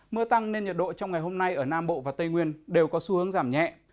mưa tăng nên nhiệt độ trong ngày hôm nay ở nam bộ và tây nguyên đều có xu hướng giảm nhẹ